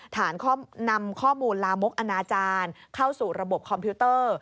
นำข้อมูลลามกอนาจารย์เข้าสู่ระบบคอมพิวเตอร์